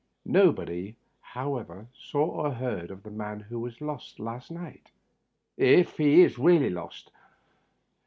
Nobody, however, saw or heard the man who was lost last night — ^if he is really lost.